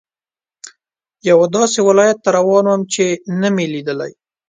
یوه داسې ولایت ته روان وم چې نه مې لیدلی.